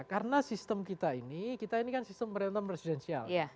karena sistem kita ini kita ini kan sistem pemerintahan presidensial